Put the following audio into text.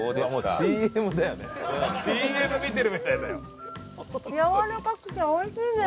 ＣＭ見てるみたいだよ。